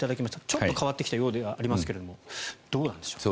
ちょっと変わってきたようではありますがどうなんでしょう。